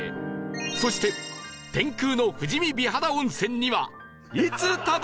そして天空の富士見美肌温泉にはいつたどり着けるのか？